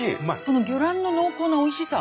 この魚卵の濃厚なおいしさ。